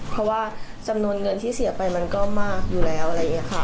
เพราะว่าจำนวนเงินที่เสียไปมันก็มากอยู่แล้วอะไรอย่างนี้ค่ะ